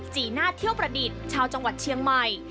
จีน่าเที่ยวประดิษฐ์ชาวจังหวัดเชียงใหม่